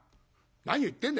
「何言ってんだ